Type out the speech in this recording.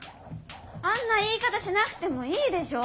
あんな言い方しなくてもいいでしょ！